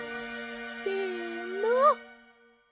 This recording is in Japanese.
せの。